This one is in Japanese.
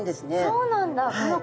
そうなんだ。